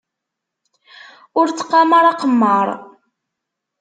Ur ttqamar aqemmar.